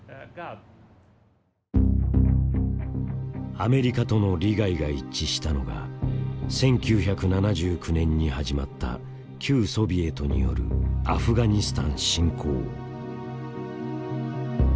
アメリカとの利害が一致したのが１９７９年に始まった旧ソビエトによるアフガニスタン侵攻。